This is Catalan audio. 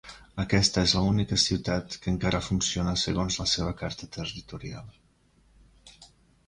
Aquesta és la única ciutat que encara funciona segons la seva carta territorial.